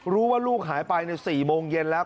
รู้ว่าลูกหายไปใน๔โมงเย็นแล้ว